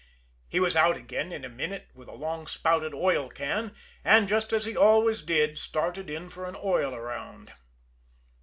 He was out again in a minute with a long spouted oil can, and, just as he always did, started in for an oil around.